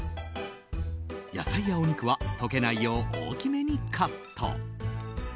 野菜やお肉は溶けないよう大きめにカット。